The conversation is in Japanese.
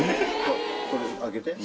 これ開けて。